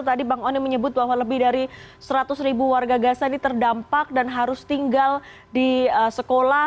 tadi bang oni menyebut bahwa lebih dari seratus ribu warga gaza ini terdampak dan harus tinggal di sekolah